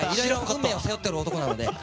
運命を背負ってる男なので。